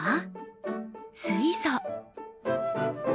水素。